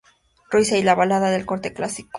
Rusia y la balada de corte clásico ""What If?